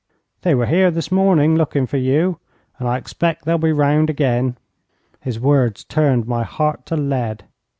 They were here this morning, looking for you, and I expect they'll be round again.' His words turned my heart to lead.